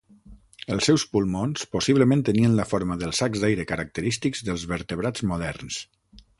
Els seus pulmons possiblement tenien la forma dels sacs d'aire característics dels vertebrats moderns.